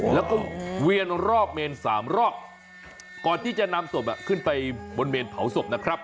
แล้วก็เวียนรอบเมน๓รอบก่อนที่จะนำศพขึ้นไปบนเมนเผาศพนะครับ